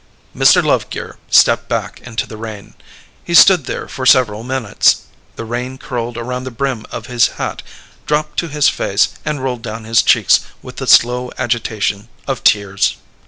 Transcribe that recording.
Mr. Lovegear stepped back into the rain. He stood there for several minutes. The rain curled around the brim of his hat, dropped to his face, and rolled down his cheeks with the slow agitation of tears.